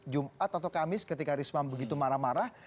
jumat atau kamis ketika risma begitu marah marah